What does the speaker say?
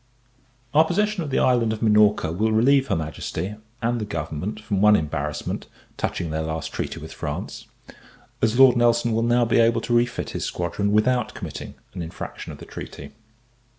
Our possession of the island of Minorca will relieve her Majesty, and the government, from one embarrassment, touching their last treaty with France; as Lord Nelson will now be able to refit his squadron, without committing an infraction of the treaty.